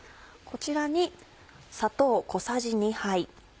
こちらに砂糖小さじ２杯。